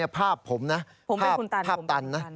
ภาพผมนะภาพตันนะ